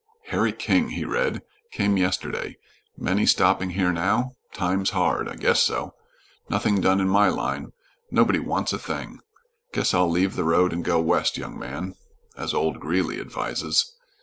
"Harry King," he read. "Came yesterday. Many stopping here now? Times hard! I guess so! Nothing doing in my line. Nobody wants a thing. Guess I'll leave the road and 'go west, young man,' as old Greeley advises.